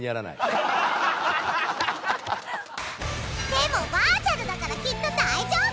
でもバーチャルだからきっと大丈夫！